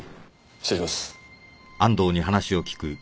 失礼します。